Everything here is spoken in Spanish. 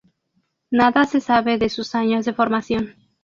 Nada se sabe de sus años de formación.